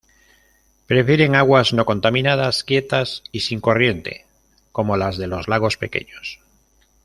Prefieren aguas no contaminadas, quietas y sin corriente, como las de los lagos pequeños.